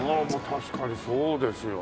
確かにそうですよね。